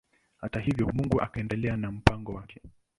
Hata hivyo Mungu akaendelea na mpango wake.